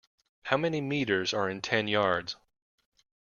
How many meters are in ten yards?